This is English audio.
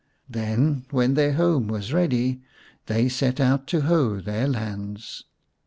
Then when their home was ready, they set out to hoe their lands.